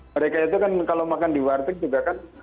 mereka itu kan kalau makan di warteg juga kan